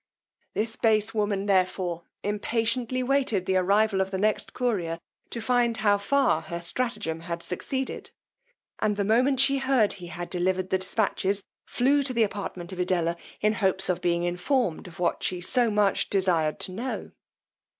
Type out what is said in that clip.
This base woman therefore impatiently waited the arrival of the next courier, to find how far her stratagem had succeeded; and the moment she heard he had delivered his dispatches, flew to the apartment of Edella, in hopes of being informed of what she so much desired to know.